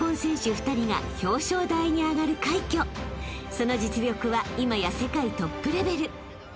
［その実力は今や世界トップレベル］